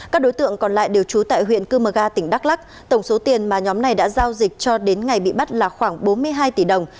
các đối tượng còn lại đều trú tại huyện cư mờ ga tỉnh đắk lắc tổng số tiền mà nhóm này đã giao dịch cho đến ngày bị bắt là khoảng bốn mươi hai tỷ đồng